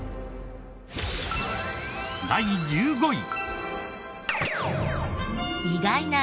第１５位。